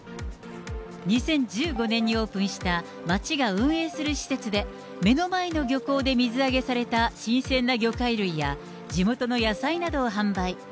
２０１５年にオープンした町が運営する施設で、目の前の漁港で水揚げされた新鮮な魚介類や、地元の野菜などを販売。